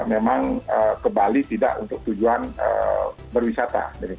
memang ke bali tidak untuk tujuan berwisata